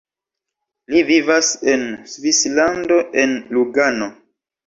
Li vivas en Svislando en Lugano.